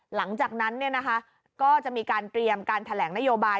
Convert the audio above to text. หลังจากนั้นก็จะมีการเตรียมการแถลงนโยบาย